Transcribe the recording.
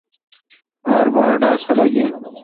آر بھا ا ڈاس خلق این۔